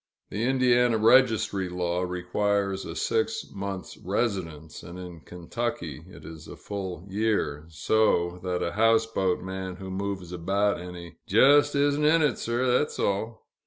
The Indiana registry law requires a six months' residence, and in Kentucky it is a full year, so that a houseboat man who moves about any, "jes' isn't in it, sir, thet's all."